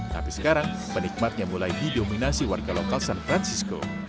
tapi sekarang penikmatnya mulai didominasi warga lokal san francisco